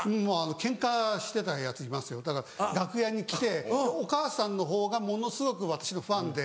ケンカしてたヤツいますよだから楽屋に来てお母さんのほうがものすごく私のファンで。